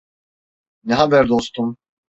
Ne haber dostum?